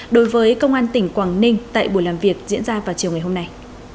đối với công an tỉnh quảng ninh tại buổi làm việc diễn ra vào chiều ngày hôm nay